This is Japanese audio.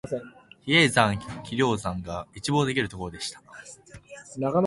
比叡山、比良山が一望できるところでした